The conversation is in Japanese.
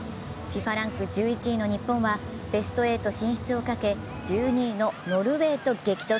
ＦＩＦＡランク１１位の日本はベスト８進出をかけ１２位のノルウェーと激突。